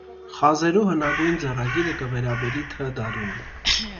Խազերու հնագոյն ձեռագիրը կը վերաբերի Թ. դարուն։